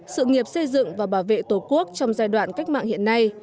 sự nghiệp xây dựng và bảo vệ tổ quốc trong giai đoạn cách mạng hiện nay